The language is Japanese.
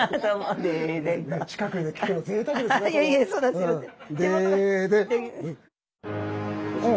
いやいやそんなすいません。